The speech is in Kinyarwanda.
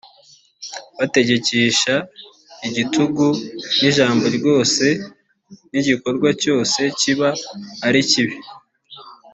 bategekesha igitugu n’ijambo ryose n’igikorwa cyose kiba ari kibi